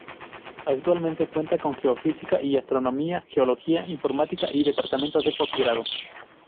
Actualmente cuenta con Geofísica y Astronomía, Geología, Informática y Departamento de Postgrado.